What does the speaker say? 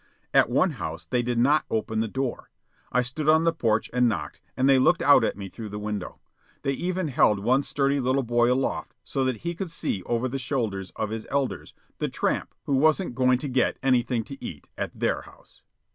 At one house they did not open the door. I stood on the porch and knocked, and they looked out at me through the window. They even held one sturdy little boy aloft so that he could see over the shoulders of his elders the tramp who wasn't going to get anything to eat at their house.